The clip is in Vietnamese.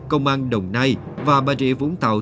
công an đồng nay và bà rịa vũng tàu